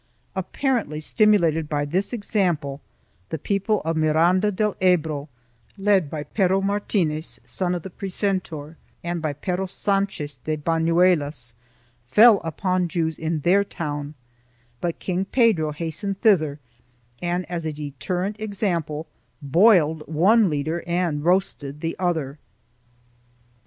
Apparently stimulated by this example the people of Miranda del Ebro, led by Pero Martinez, son of the precentor and by Pero Sanchez de Banuelas, fell upon the Jews of their town, but King Pedro hastened thither and, as a deterrent example, boiled the one leader and roasted the other.